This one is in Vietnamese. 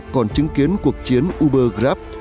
còn chứng kiến cuộc chiến uber grab